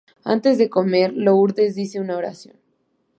Antes de comer, Lourdes dice una oración.